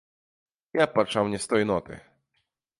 Я б пачаў не з той ноты.